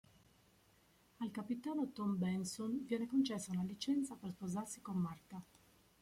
Al capitano Tom Benson viene concessa una licenza per sposarsi con Martha.